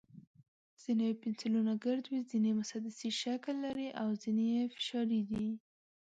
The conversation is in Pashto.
ځینې پنسلونه ګرد وي، ځینې مسدسي شکل لري، او ځینې یې فشاري دي.